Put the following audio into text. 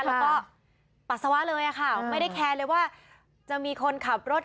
แล้วก็ปัสสาวะเลยค่ะไม่ได้แคร์เลยว่าจะมีคนขับรถ